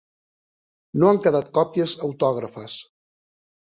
No han quedat còpies autògrafes.